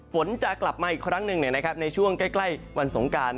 ฝนจะกลับมาอีกครั้งหนึ่งในช่วงใกล้วันสงการ